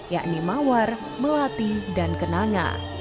yakni mawar melati dan kenanga